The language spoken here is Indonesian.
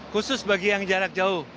khusus bagi yang jarak jauh